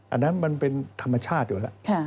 อันนั้นมันเป็นธรรมชาติอยู่แล้ว